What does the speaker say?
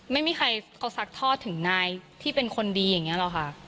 ไม่มีใครเขาซักทอดถึงนายที่เป็นคนดีอย่างนี้หรอกค่ะ